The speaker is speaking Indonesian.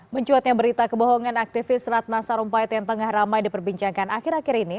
mencuatnya berita kebohongan aktivis ratna sarumpait yang tengah ramai diperbincangkan akhir akhir ini